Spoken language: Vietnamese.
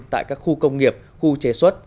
tại các khu công nghiệp khu chế xuất